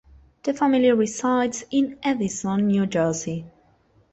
The family resides in Edison, New Jersey.